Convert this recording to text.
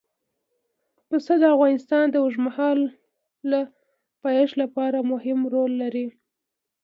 پسه د افغانستان د اوږدمهاله پایښت لپاره مهم رول لري.